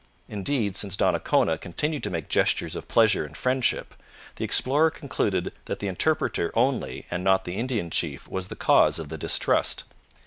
Indeed, since Donnacona continued to make gestures of pleasure and friendship, the explorer concluded that the interpreter only and not the Indian chief was the cause of the distrust.